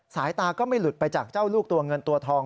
สายตาก็ไม่หลุดไปจากเจ้าลูกตัวเงินตัวทอง